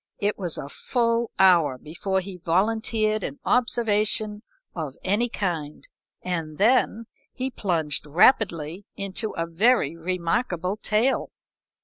It was a full hour before he volunteered an observation of any kind, and then he plunged rapidly into a very remarkable tale.